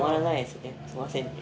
すみませんね。